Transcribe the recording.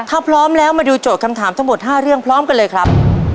ถ้าพร้อมแล้วมาดูโจทย์คำถามทั้งหมด๕เรื่องพร้อมกันเลยครับ